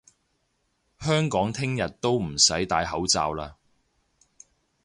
香港聽日都唔使戴口罩嘞！